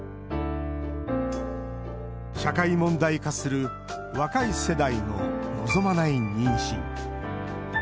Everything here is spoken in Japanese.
社会問題化する若い世代の望まない妊娠。